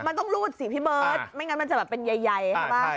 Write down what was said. มันต้องรูดสิพี่เบิร์ตไม่งั้นมันจะแบบเป็นใหญ่ใช่ป่ะ